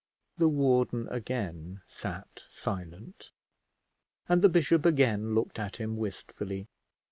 The warden again sat silent, and the bishop again looked at him wistfully.